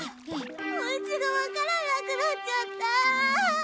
おうちがわからなくなっちゃった。